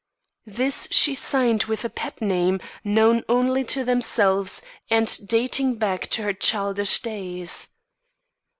This she signed with a pet name, known only to themselves, and dating back to her childish days.